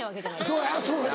そうやそうや。